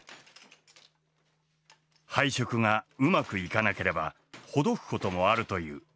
配色がうまくいかなければほどくこともあるという。